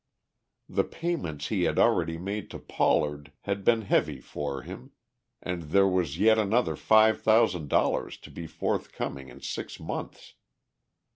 The payments he had already made to Pollard had been heavy for him, and there was yet another five thousand dollars to be forthcoming in six months.